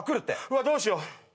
うわどうしよう。